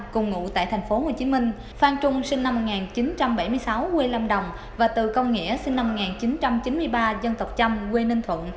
cùng ngụ tại tp hcm phan trung sinh năm một nghìn chín trăm bảy mươi sáu quê lâm đồng và từ công nghĩa sinh năm một nghìn chín trăm chín mươi ba dân tộc chăm quê ninh thuận